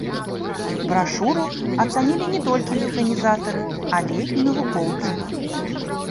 Брашуру ацанілі не толькі механізатары, але і навукоўцы.